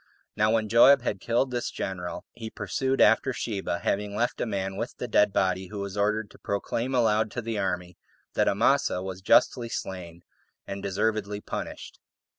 Now when Joab had killed this general, he pursued after Sheba, having left a man with the dead body, who was ordered to proclaim aloud to the army, that Amasa was justly slain, and deservedly punished.